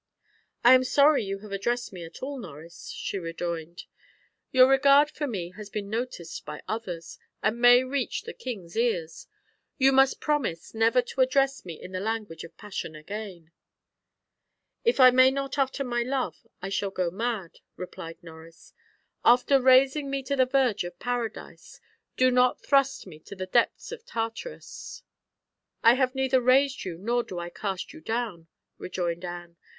"I am sorry you have addressed me at all, Norris," she rejoined. "Your regard for me has been noticed by others, and may reach the king's ears. You must promise never to address me in the language of passion again." "If I may not utter my love I shall go mad," replied Norris. "After raising me to the verge of Paradise, do not thrust me to the depths of Tartarus." "I have neither raised you nor do I cast you down," rejoined Anne.